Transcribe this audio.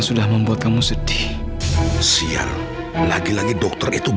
riza sudah bisa men vincahlah dengan pengundi parar kerja pertama